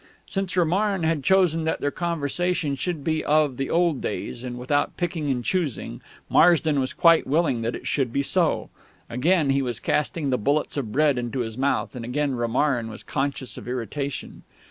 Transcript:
Since Romarin had chosen that their conversation should be of the old days, and without picking and choosing, Marsden was quite willing that it should be so. Again he was casting the bullets of bread into his mouth, and again Romarin was conscious of irritation.